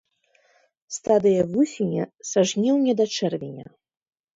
Стадыя вусеня са жніўня да чэрвеня.